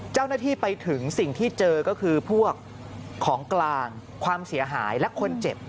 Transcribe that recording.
เจ้าหน้าที่ไปถึงสิ่งที่เจอก็คือพวกของกลางความเสียหายและคนเจ็บ